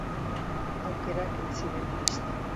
Aukerak ez ziren iristen.